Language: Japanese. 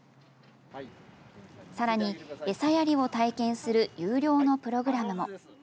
さらに、餌やりを体験する有料のプログラムも。